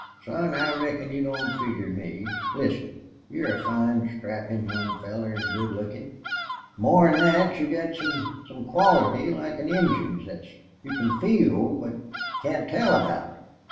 "Son, I reckon you don't figger me. Listen. You're a fine, strappin' young feller an' good lookin'. More 'n thet, you've got some some quality like an Injun's thet you can feel but can't tell about.